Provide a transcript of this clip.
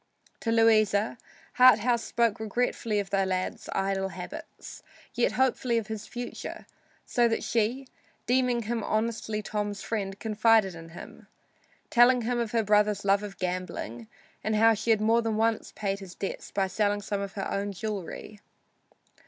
To Louisa, Harthouse spoke regretfully of the lad's idle habits, yet hopefully of his future, so that she, deeming him honestly Tom's friend, confided in him, telling him of her brother's love of gambling and how she had more than once paid his debts by selling some of her own jewelry.